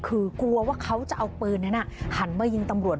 คือกลัวว่าเขาจะเอาปืนนั้นหันมายิงตำรวจ